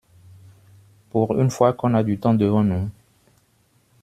Pour une fois qu’on a du temps devant nous...